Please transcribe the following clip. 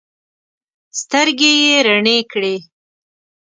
سترګې یې رڼې کړې.